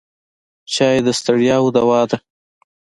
چای د ستړیاوو دوا ده.